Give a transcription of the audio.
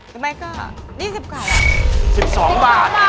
หรือไม่ก็๒๐กว่าแหละ